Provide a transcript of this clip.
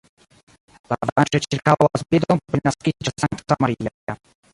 La branĉoj ĉirkaŭas bildon pri naskiĝo de Sankta Maria.